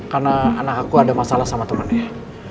karena anak aku ada masalah sama temannya